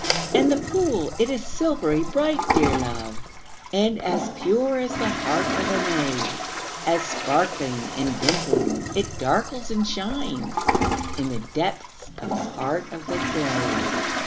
And the pool, it is silvery bright, dear love, And as pure as the heart of a maid, As sparkling and dimpling, it darkles and shines In the depths of the heart of the glade.